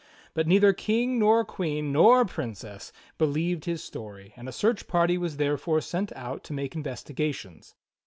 But neither King nor Queen nor Princess believed his story, and a search party was therefore sent out to make investi gations.